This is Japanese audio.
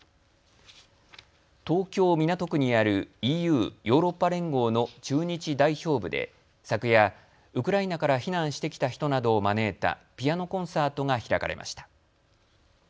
東京港区にあるＥＵ・ヨーロッパ連合の駐日代表部で昨夜ウクライナから避難してきた人などを招いたピアノコンサートが開かれました。